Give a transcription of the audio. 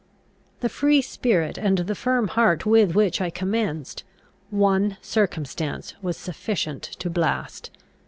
The free spirit and the firm heart with which I commenced, one circumstance was sufficient to blast.